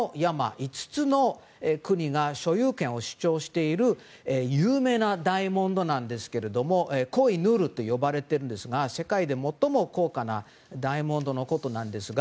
５つの国が所有権を主張している有名なダイヤモンドなんですけれどもコ・イ・ヌールと呼ばれているんですが世界で最も高価なダイヤモンドのことなんですが。